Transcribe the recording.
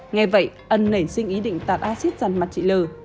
nghe vậy ân nảy sinh ý định tạt acid dằn mặt chị l